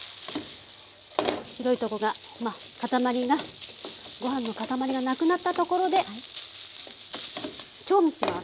白いとこが塊がご飯の塊がなくなったところで調味します。